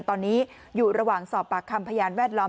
ตอนนี้อยู่ระหว่างสอบปากคำพยานแวดล้อม